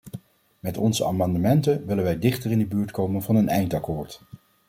Met onze amendementen willen wij dichter in de buurt komen van een eindakkoord.